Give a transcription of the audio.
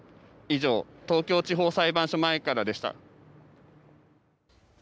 以上、東京地方裁判所前からでした。